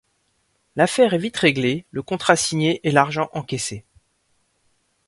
L'affaire est vite réglée, le contrat signé et l'argent encaissé.